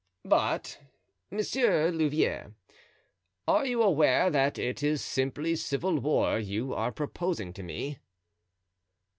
"But, Monsieur Louvieres, are you aware that it is simply civil war you are proposing to me?"